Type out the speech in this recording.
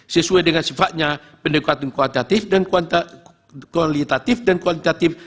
sesuai dengan sifatnya pendekatan kuantitatif dan kualitatif